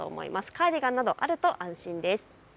カーディガンなどあると安心です。